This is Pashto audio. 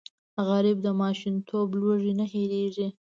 غریب د ماشومتوب لوږې نه هېرېږي